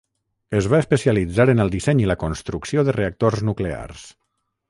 Es va especialitzar en el disseny i la construcció de reactors nuclears.